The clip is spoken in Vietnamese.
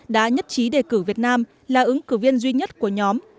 đã nhất trí đề cử việt nam là ứng cử viên duy nhất của nhóm